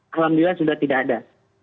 alhamdulillah sudah tidak ada